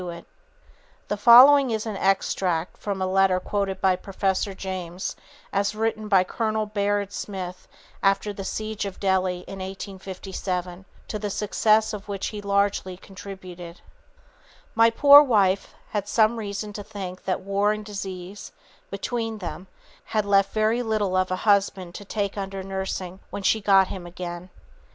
_" [Sidenote: Excitement and the Hero] The following is an extract from a letter quoted by Professor James as written by Colonel Baird Smith after the siege of Delhi in 1857, to the success of which he largely contributed: "My poor wife had some reason to think that war and disease, between them, had left very little of a husband to take under nursing when she got him again.